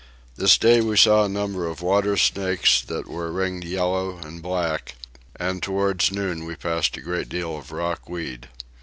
This day we saw a number of water snakes that were ringed yellow and black, and towards noon we passed a great deal of rock weed.